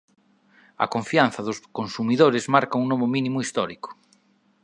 A confianza dos consumidores marca un novo mínimo histórico